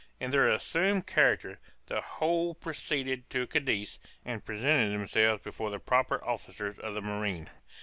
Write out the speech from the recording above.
In their assumed character, the whole proceeded to Cadiz, and presented themselves before the proper officers of the marine.